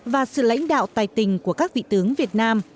và sự lãnh đạo tài tình của các vị tướng việt nam